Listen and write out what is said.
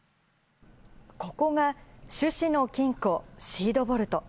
ここが種子の金庫・シードボルト。